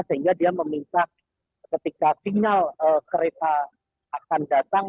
sehingga dia meminta ketika signal kereta akan datang